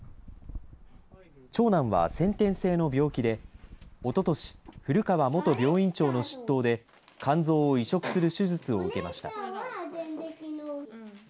長男は先天性の病気で、おととし、古川元病院長の執刀で、肝臓を移植する手術を受けました。